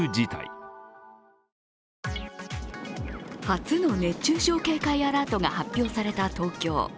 初の熱中症警戒アラートが発表された東京。